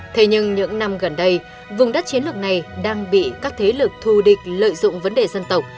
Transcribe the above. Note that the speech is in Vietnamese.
thế nhưng những năm gần đây vùng đất chiến lược này đang bị các thế lực thù địch lợi dụng vấn đề dân tộc